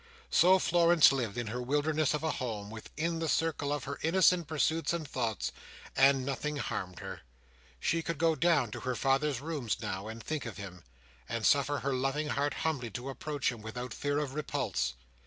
So Florence lived in her wilderness of a home, within the circle of her innocent pursuits and thoughts, and nothing harmed her. She could go down to her father's rooms now, and think of him, and suffer her loving heart humbly to approach him, without fear of repulse.